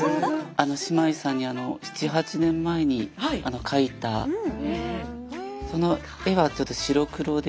姉妹さんに７８年前に描いたその絵はちょっと白黒で。